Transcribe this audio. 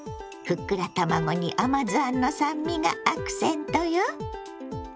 ふっくら卵に甘酢あんの酸味がアクセントよ。